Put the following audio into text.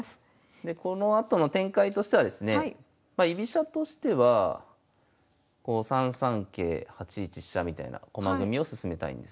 でこのあとの展開としてはですねま居飛車としてはこう３三桂８一飛車みたいな駒組みを進めたいんですね。